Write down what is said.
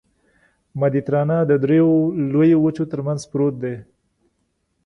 مدیترانه د دریو لویو وچو ترمنځ پروت دی.